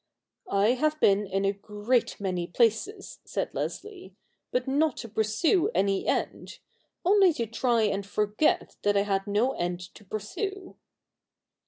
' I have been in a great many places,' said Leslie, ' but not to pursue any end — only to try and forget that I had no end to pursue.'